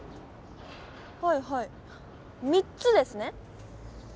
はいはい３つですね！